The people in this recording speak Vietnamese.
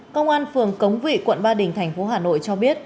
công an phường cống vị quận ba đình thành phố hà nội cho biết